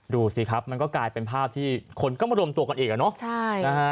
ดูสิครับมันก็กลายเป็นภาพที่คนก็มารวมตัวกันอีกอ่ะเนาะ